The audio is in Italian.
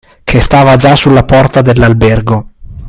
che stava già sulla porta dell’albergo.